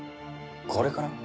これから？